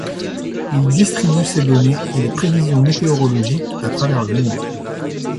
Il distribue ces données et les prévisions météorologiques à travers le monde.